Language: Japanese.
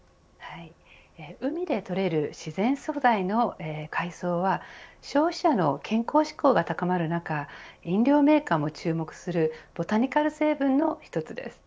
海で取れる自然素材の海藻は消費者の健康志向が高まる中飲料メーカーも注目するボタニカル成分の１つです。